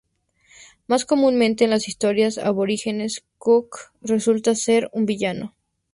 Más comúnmente en las historias aborígenes, Cook resulta ser un villano.